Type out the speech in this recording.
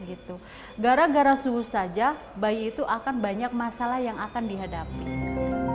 bayi itu akan banyak masalah yang akan dihadapi